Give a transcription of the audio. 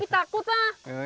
tapi takut lah